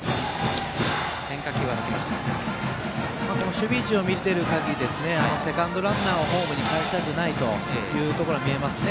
守備位置を見ている限りセカンドランナーを、ホームにかえしたくないというのは見えますね。